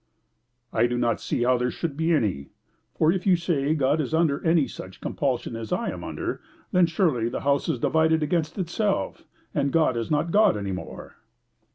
"I do not see how there should be any. For, if you say God is under any such compulsion as I am under, then surely the house is divided against itself, and God is not God any more."